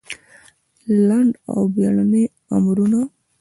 لنډ او بېړني امرونه